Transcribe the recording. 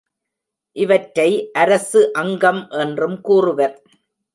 இவற்றை அரசு அங்கம் என்றும் கூறுவர்.